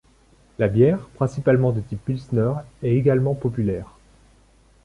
La bière, principalement de style Pilsner est également populaire.